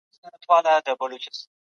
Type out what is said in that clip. د غریبو خلګو د مشکل حل کول پکار دي.